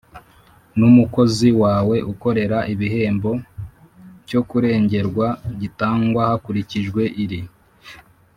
n umukozi wawe ukorera ibihembo cyo kurengerwa gitangwa hakurikijwe iri